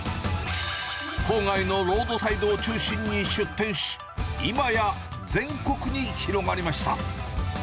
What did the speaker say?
郊外のロードサイドを中心に出店し、今や全国に広がりました。